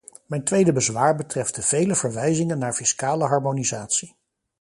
Mijn tweede bezwaar betreft de vele verwijzingen naar fiscale harmonisatie.